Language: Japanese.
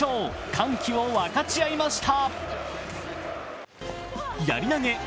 歓喜を分かち合いました。